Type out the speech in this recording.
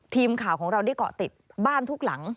ทีมข่าวของเราได้เกาะติดบ้านทุกหลัง